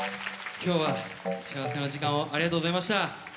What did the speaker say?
今日は幸せな時間をありがとうございました。